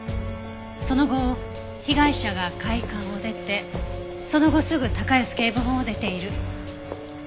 その後被害者が会館を出てその後すぐ高安警部補も出ている。